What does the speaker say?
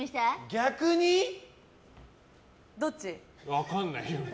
分かんないよ。